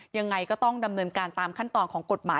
ยังไงก็ต้องดำเนินการตามขั้นตอนของกฎหมาย